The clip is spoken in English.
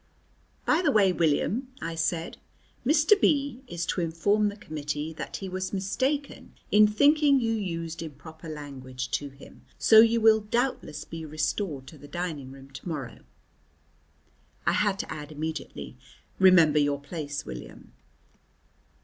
"By the way, William," I said, "Mr. B is to inform the committee that he was mistaken in thinking you used improper language to him, so you will doubtless be restored to the dining room to morrow." I had to add immediately, "Remember your place, William."